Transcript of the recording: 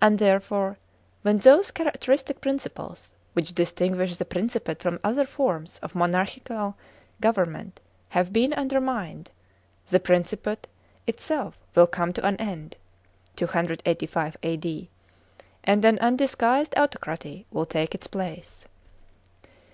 And therefore, when th«>se chajacttr istic principles, which distinguish the Principate from other forms of monarchical government, have been undermined, the Piincipate its* If will come to an end (285 A.D.), and an undisguised autocracy will take its place.